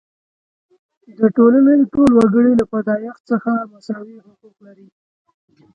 د ټولنې ټول وګړي له پیدایښت څخه مساوي حقوق لري.